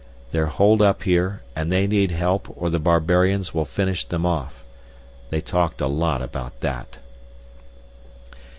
They're holed up here, and they need help or the barbarians will finish them off. They talked a lot about that."